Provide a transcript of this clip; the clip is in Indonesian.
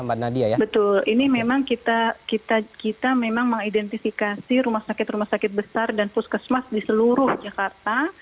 betul ini memang kita memang mengidentifikasi rumah sakit rumah sakit besar dan puskesmas di seluruh jakarta